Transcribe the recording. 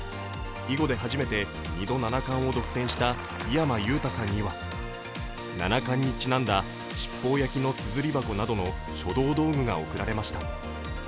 囲碁で初めて２度、七冠を独占した井山裕太さんには七冠にちなんだ七宝焼のすずり箱などの書道道具が贈られました。